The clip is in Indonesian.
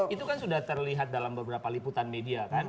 itu kan sudah terlihat dalam beberapa liputan media kan